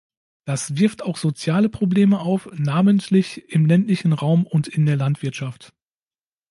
Das wirft auch soziale Probleme auf, namentlich im ländlichen Raum und in der Landwirtschaft.